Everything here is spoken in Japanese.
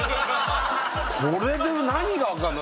これで何がわかるの？